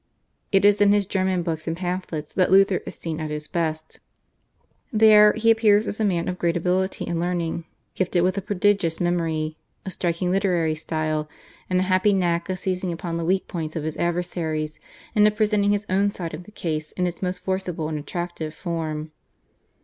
It is in his German books and pamphlets that Luther is seen at his best. There, he appears as a man of great ability and learning, gifted with a prodigious memory, a striking literary style, and a happy knack of seizing upon the weak points of his adversaries and of presenting his own side of the case in its most forcible and attractive form.